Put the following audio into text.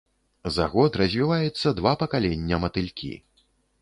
За год развіваецца два пакалення матылькі.